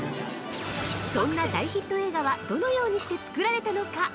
そんな大ヒット映画はどのようにして作られたのか？